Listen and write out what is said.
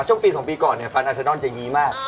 ช่วงปี๒ปีก่อนฟันอสเทอร์นอลจะอย่างนี้มาก